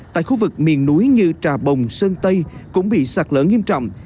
tại khu vực miền núi như trà bồng sơn tây cũng bị sạt lở nghiêm trọng